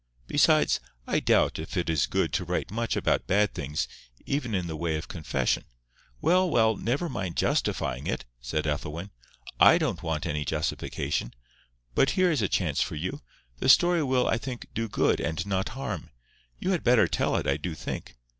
Besides, I doubt if it is good to write much about bad things even in the way of confession— " "Well, well, never mind justifying it," said Ethelwyn. "I don't want any justification. But here is a chance for you. The story will, I think, do good, and not harm. You had better tell it, I do think.